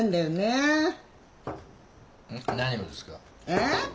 えっ？